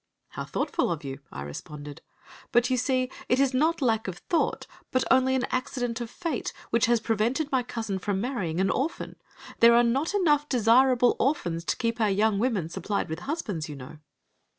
"How thoughtful of you," I responded. "But you see it is not lack of thought, only an accident of fate, which has prevented my cousin from marrying an orphan. There are not enough desirable orphans to keep our young women supplied with husbands, you know."